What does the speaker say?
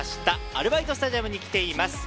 アルバイトスタジアムに来ています。